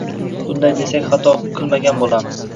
Shunday desak hato qilmagan bo‘lamiz.